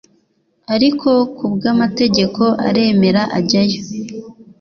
Ariko ku bw'amategeko aremera ajya yo